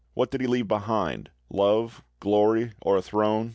What did he leave behind? Love, glory, or a throne?